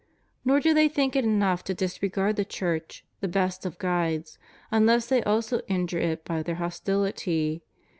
Nor do they think it enough to disregard the Church — the best of guides — unless they also injure it by their hostility.